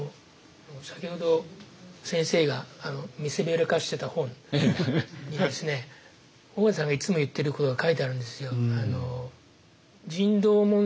先ほど先生が見せびらかしてた本に緒方さんがいつも言ってることが書いてあるんですよ。